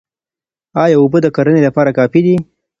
ايا اوبه د کرني لپاره کافي دي؟